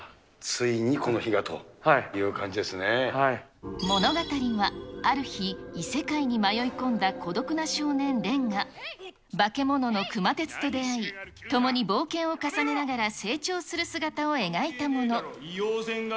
ついにこの日がという感じで物語は、ある日、異世界に迷い込んだ孤独な少年、蓮がバケモノの熊徹と出会い、共に冒険を重ねながら成長する姿を描いたもの。